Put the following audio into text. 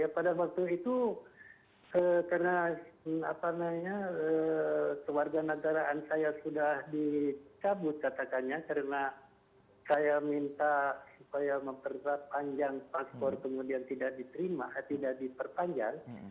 pada waktu itu karena kewarga negaraan saya sudah dicabut katakannya karena saya minta supaya memperberat panjang paspor kemudian tidak diterima tidak diperpanjang